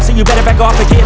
terus ada penjaganya lagi